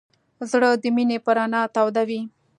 زړه د مینې په رڼا تود وي.